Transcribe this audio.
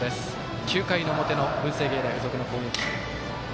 ９回の表の文星芸大付属の攻撃。